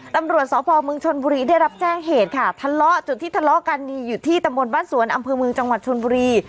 ตำรวจสพเมืองชนบุรีได้รับแจ้งเหตุค่ะทะเลาะจุดที่ทะเลาะกันมีอยู่ที่ตำบลบ้านสวนอำเภอเมืองจังหวัดชนบุรี